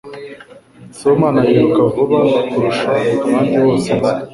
Sibomana yiruka vuba kurusha abandi bose nzi.